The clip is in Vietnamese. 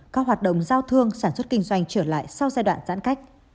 các hoạt động giao thương sản xuất kinh doanh trở lại sau giai đoạn giãn cách